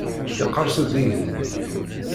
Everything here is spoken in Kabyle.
Yeqqers-d igenni.